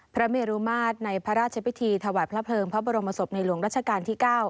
พระเมรุมาตรในพระราชพิธีถวายพระเพลิงพระบรมศพในหลวงรัชกาลที่๙